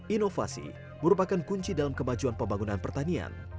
inovasi merupakan kunci dalam kemajuan pembangunan pertanian